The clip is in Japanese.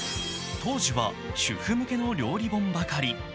当時は主婦向けの料理本ばかり。